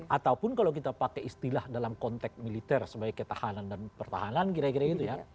ataupun kalau kita pakai istilah dalam konteks militer sebagai ketahanan dan pertahanan kira kira gitu ya